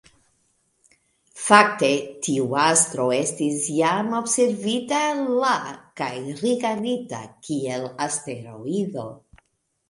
Fakte, tiu astro estis jam observita la kaj rigardita kiel asteroido.